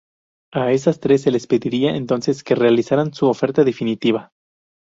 A estas tres se les pediría entonces que realizaran "su oferta definitiva".